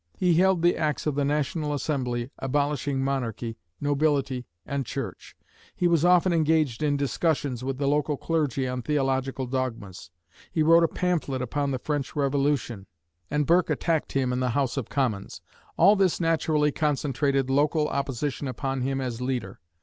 He hailed the acts of the National Assembly abolishing monarchy, nobility and church. He was often engaged in discussions with the local clergy on theological dogmas. He wrote a pamphlet upon the French Revolution, and Burke attacked him in the House of Commons. All this naturally concentrated local opposition upon him as leader.